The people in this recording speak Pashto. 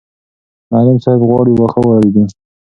معلم صاحب غواړي واښه ورېبي.